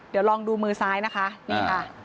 เดี๋ยวลองดูมือซ้ายนะคะนี่ค่ะ